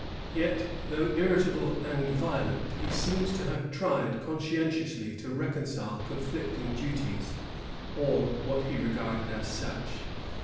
Tet, though irritable and violent, he seems to have tried conscientiously to reconcile conflicting duties, or what he regarded as such.